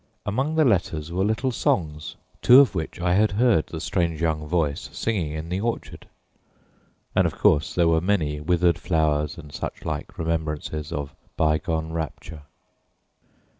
Among the letters were little songs, two of which I had heard the strange young voice singing in the orchard, and, of course, there were many withered flowers and such like remembrances of bygone rapture.